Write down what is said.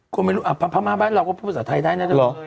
กูไม่รู้อ่ะพระม่าบ้านเราก็ภูมิศาจไทยได้นะ